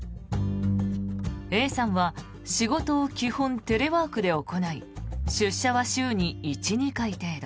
Ａさんは仕事を基本、テレワークで行い出社は週に１２回程度。